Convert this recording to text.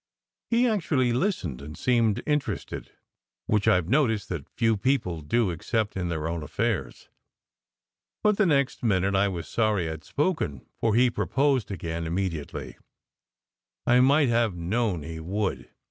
He actually listened and seemed interested, which I ve noticed that few people do except in their own affairs. But the next minute I was sorry I d spoken, for he proposed again immediately. I might have known he would !